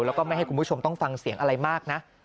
แล้วก็ไม่ให้คุณผู้ชมต้องฟังเสียงอะไรมากนะ